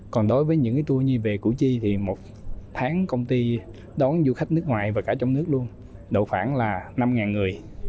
còn đối với những tour như về củ chi thì một tháng công ty đón du khách nước ngoài và cả trong nước luôn độ khoảng là năm người